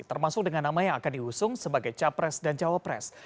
termasuk dengan nama yang akan diusung sebagai capres dan cawapres